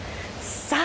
さあ、